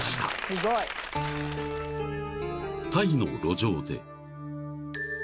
［タイの路上で］